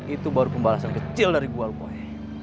itu baru pembalasan kecil dari gue alkoy